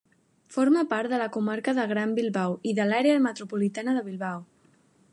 Forma part de la comarca del Gran Bilbao i de l'àrea metropolitana de Bilbao.